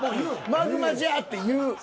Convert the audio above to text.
「マグマじゃ」って言う。